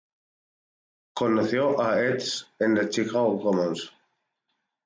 Conoció a Ets en el Chicago Commons.